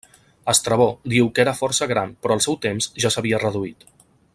Estrabó diu que era força gran però al seu temps ja s'havia reduït.